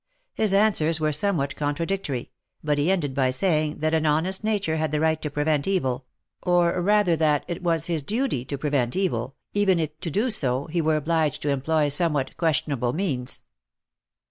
His answers were THE MARKETS OF PARIS. 225 somewhat contradictory, but he ended by saying that an honest nature had the right to prevent evil, or rather that it was his duty to prevent evil, even if to do so, he were obliged to employ somewhat questionable means.